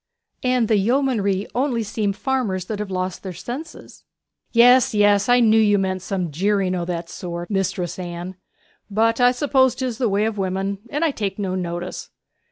'And the yeomanry only seem farmers that have lost their senses.' 'Yes, yes! I knew you meant some jeering o' that sort, Mistress Anne. But I suppose 'tis the way of women, and I take no notice.